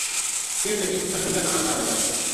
کہن لگی :” کل ٹیکہ لان ہالا آئے گا